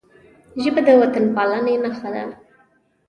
ژبه د وطنپالنې نښه ده